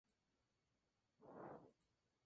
Dos días, un día.